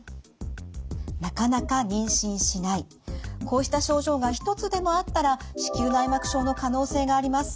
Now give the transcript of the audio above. こうした症状が一つでもあったら子宮内膜症の可能性があります。